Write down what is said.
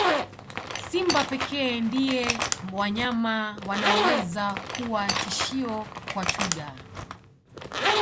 Simba pekee ndio wanyama wanaoweza kuwa tishio kwa twiga